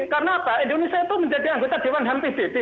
karena apa indonesia itu menjadi anggota dewan ham pbt